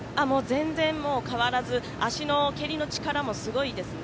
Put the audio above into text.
全然変わらず足の蹴りの強さもすごいです。